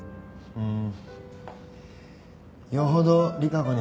うん？